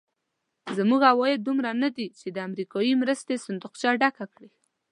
زموږ عواید دومره ندي چې د امریکایي مرستې صندوقچه ډکه کړي.